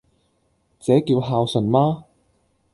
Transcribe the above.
這叫孝順嗎？